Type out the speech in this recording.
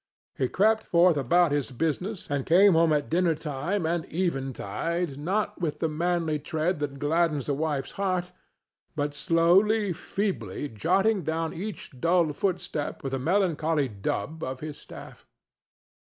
He crept forth about his business, and came home at dinner time and eventide, not with the manly tread that gladdens a wife's heart, but slowly, feebly, jotting down each dull footstep with a melancholy dub of his staff.